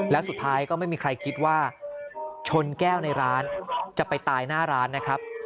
แล้วสุดท้ายก็ไม่มีใครคิดว่าชนแก้วในร้านจะไปตายหน้าร้านนะครับ